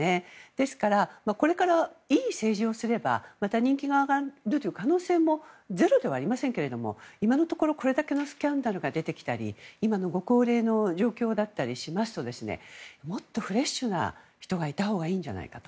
ですから、これからいい政治をすればまた人気が上がるという可能性もゼロではありませんけれども今のところ、これだけのスキャンダルが出てきたり今のご高齢の状況だったりしますともっとフレッシュな人がいたほうがいいんじゃないかと。